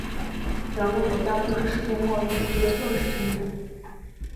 两个国家都是世界贸易组织的正式成员。